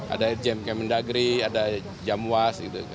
ada jem kementagri ada jamwas